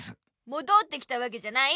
もどってきたわけじゃない。